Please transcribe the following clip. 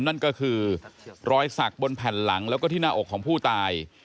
นั่นก็คือรอยสักบนแผ่นหลังแล้วก็ที่หน้าอกของผู้ตาย